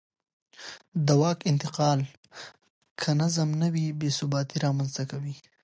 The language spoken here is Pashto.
د واک انتقال که منظم نه وي بې ثباتي رامنځته کوي